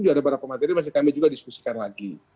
ada beberapa materi masih kami juga diskusikan lagi